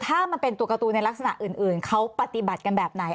ถ้ามันเป็นตัวการ์ตูนในลักษณะอื่นเขาปฏิบัติกันแบบไหน